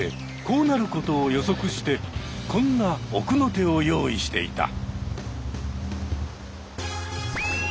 こうなることを予測してこんな奥の手を用意していた。